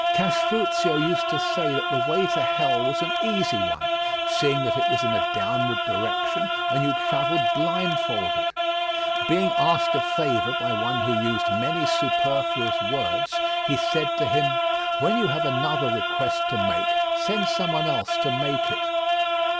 Castruccio used to say that the way to hell was an easy one, seeing that it was in a downward direction and you travelled blindfolded. Being asked a favour by one who used many superfluous words, he said to him: "When you have another request to make, send someone else to make it."